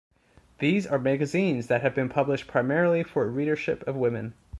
These are magazines that have been published primarily for a readership of women.